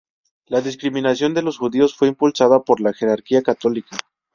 La discriminación de los judíos fue impulsada por la jerarquía católica.